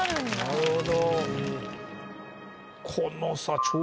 なるほど。